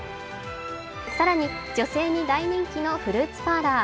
更に女性に大人気のフルーツパーラー